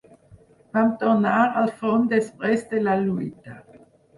Vam tornar al front després de la lluita